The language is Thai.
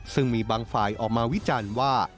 ซึ่งมีบางฝ่ายออกมาวิจารณ์ว่า